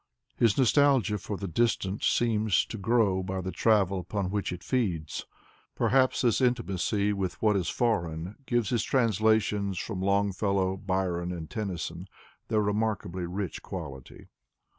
His nostalgia for the distant seems to grow by the travel upon which it feeds. Perhaps this intimacy with what is foreign gives his translations from Longfellow, Byron and Tennyson their remarkably rich quality.